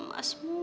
lo masih rush